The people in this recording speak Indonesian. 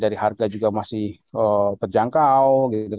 dari harga juga masih terjangkau